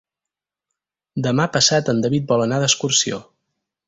Demà passat en David vol anar d'excursió.